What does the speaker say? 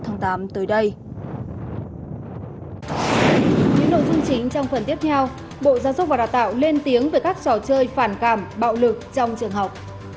những nội dung chính trong phần tiếp theo bộ giáo dục và đào tạo lên tiếng về các trò chơi phản cảm bạo lực trong trường học